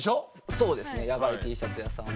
そうですねヤバイＴシャツ屋さんは。